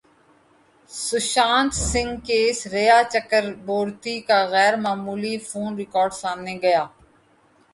Sushant Singh case Rhea Chakraborty کا غیر معمولی فون ریکارڈ سامنے گیا